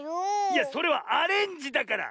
いやそれはアレンジだから！